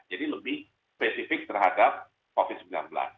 jadi lebih spesifik terhadap covid sembilan belas